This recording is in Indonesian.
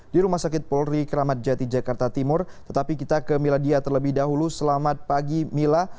di rumah sakit polri kramat jati jakarta timur tetapi kita ke miladia terlebih dahulu selamat pagi mila